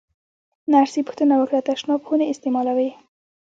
نرسې پوښتنه وکړه: تشناب خو نه استعمالوې؟